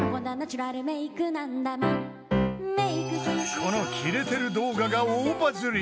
［このキレてる動画が大バズり］